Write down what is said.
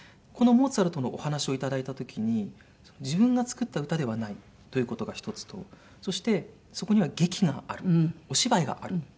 この『モーツァルト！』のお話をいただいた時に自分が作った歌ではないという事が１つとそしてそこには劇があるお芝居がある。